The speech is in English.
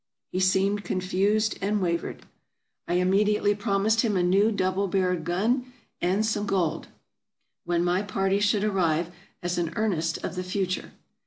He seemed confused, and wavered. I immediately prom 374 TRAVELERS AND EXPLORERS ised him a new double barreled gun and some gold, when my party should arrive, as an earnest of the future.